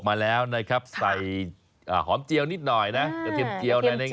มาแล้วนะครับใส่หอมเจียวนิดหน่อยนะกระเทียมเจียวเนี่ย